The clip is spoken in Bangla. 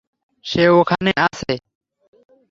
সে ওখানে আছে।